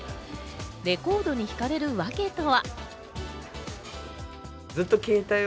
レコードに惹かれるワケとは。